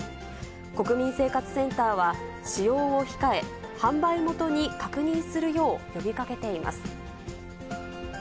国民生活センターは、使用を控え、販売元に確認するよう呼びかけています。